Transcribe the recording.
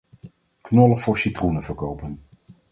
Knollen voor citroenen verkopen.